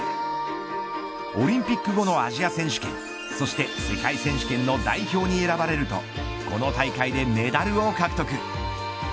オリンピック後のアジア選手権そして世界選手権の代表に選ばれるとこの大会でメダルを獲得。